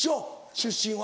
出身は。